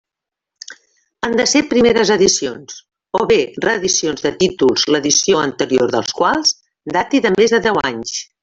Han de ser primeres edicions, o bé reedicions de títols l'edició anterior dels quals dati de més de deu anys.